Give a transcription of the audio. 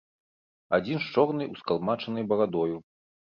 Адзін з чорнай ускалмачанай барадою.